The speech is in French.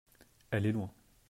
Elle est loin.